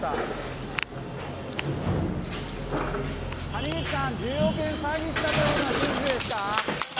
谷口さん、１０億円詐欺したというのは事実ですか？